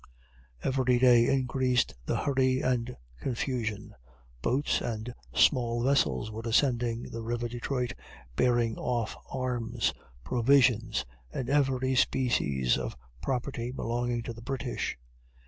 Every day increased the hurry and confusion; boats and small vessels were ascending the river Detroit, bearing off arms, provisions, and every species of property, belonging to the British.